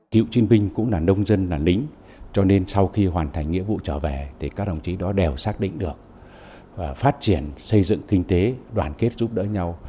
cựu chiến binh cũng là nông dân là lính cho nên sau khi hoàn thành nghĩa vụ trở về thì các đồng chí đó đều xác định được phát triển xây dựng kinh tế đoàn kết giúp đỡ nhau